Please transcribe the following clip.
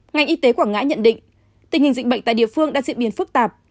ngành y tế quảng ngãi nhận định tình hình dịch bệnh tại địa phương đã diễn biến phức tạp